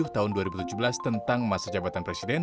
tahun dua ribu tujuh belas tentang masa jabatan presiden